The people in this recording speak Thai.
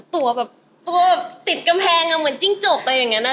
ตัวติดกำแพงอะเหมือนจริงจบอะไรอย่างเงี้ย